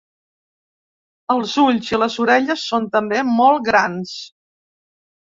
Els ulls i les orelles són també molt grans.